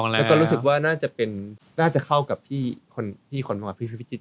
และเรารู้สึกว่าน่าจะเป็นน่าจะเข้ากับคนผู้สมัครชีพคนปันอายุ